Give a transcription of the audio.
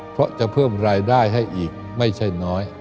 เพราะจะเพิ่มรายได้ให้อีกไม่ใช่น้อย